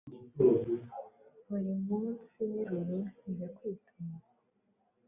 buri munsi nijoro njya kwituma